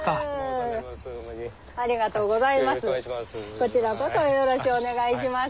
こちらこそよろしゅうお願いします。